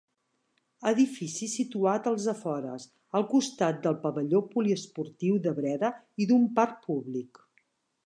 Edifici situat als afores, al costat del pavelló poliesportiu de Breda i d'un parc públic.